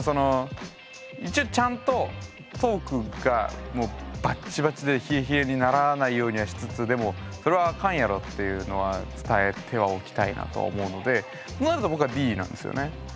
一応ちゃんとトークがバッチバチで冷え冷えにならないようにはしつつでもそれはあかんやろっていうのは伝えてはおきたいなと思うのでまずは僕はＤなんですよね。